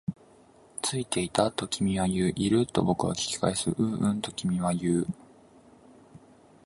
ついてた、と君は言う。いる？と僕は聞き返す。ううん、と君は言う。